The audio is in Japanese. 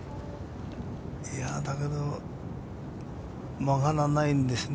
だけど曲がらないんですね。